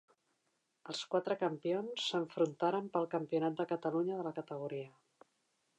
Els quatre campions s'enfrontaren pel campionat de Catalunya de la categoria.